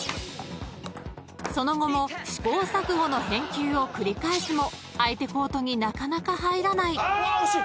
［その後も試行錯誤の返球を繰り返すも相手コートになかなか入らない］